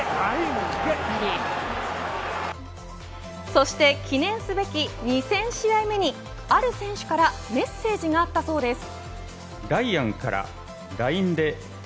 そして記念すべき２０００試合目にある選手からメッセージがあったそうです。